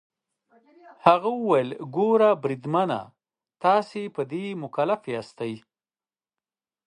هغه وویل: ګوره بریدمنه، تاسي په دې مکلف یاست.